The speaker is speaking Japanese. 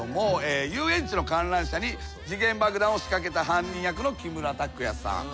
遊園地の観覧車に時限爆弾を仕掛けた犯人役の木村拓哉さん。